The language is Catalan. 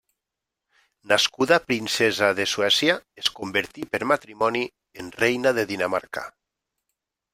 Nascuda princesa de Suècia es convertí per matrimoni en reina de Dinamarca.